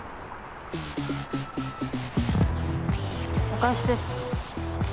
お返しです。